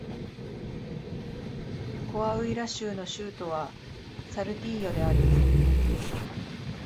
コアウイラ州の州都はサルティーヨである